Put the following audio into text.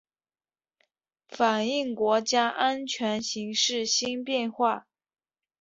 反映国家安全形势新变化